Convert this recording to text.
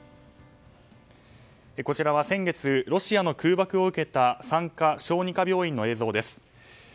こちらは先月、ロシアの空爆を受けた産科・小児科病院の映像です。